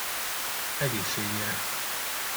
Egészségére!